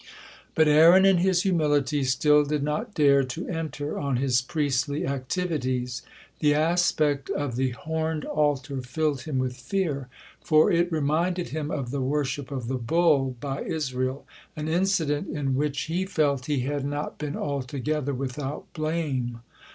'" But Aaron in his humility still did not dare to enter on his priestly activities. The aspect of the horned altar filled him with fear, for it reminded him of the worship of the bull by Israel, an incident in which he felt he had not been altogether without blame.